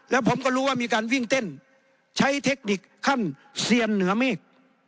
แล้วผมก็รู้ว่ามีการวิ่งเต้นใช้เทคนิคขั้นเซียนเหนือเมฆ